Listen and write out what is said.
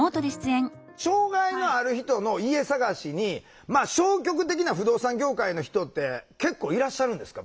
障害のある人の家探しに消極的な不動産業界の人って結構いらっしゃるんですか？